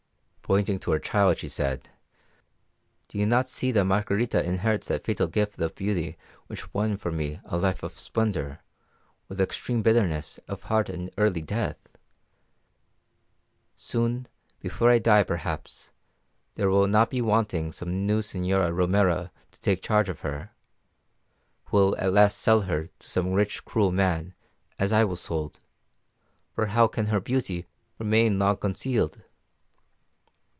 "Pointing to her child, she said, 'Do you not see that Margarita inherits that fatal gift of beauty which won for me a life of splendour, with extreme bitterness of heart and early death? Soon, before I die, perhaps, there will not be wanting some new señora Romero to take charge of her, who will at last sell her to some rich, cruel man, as I was sold; for how can her beauty remain long concealed?